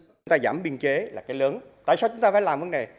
chúng ta giảm biên chế là cái lớn tại sao chúng ta phải làm vấn đề